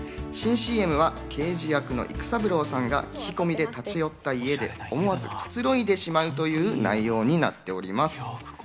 新ＣＭは刑事役の育三郎さんが聞き込みで立ち寄った家で思わずくつろいでしまうという内容になっております。